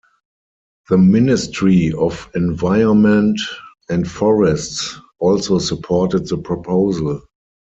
The Ministry of Environment and Forests also supported the proposal.